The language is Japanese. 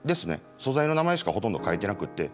素材の名前しかほとんど書いてなくって。